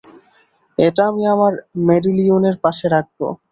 এটা আমি আমার মেডেলিওনের পাশে রাখবো।